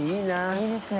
いいですね